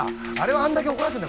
あんだけ怒らせたんだ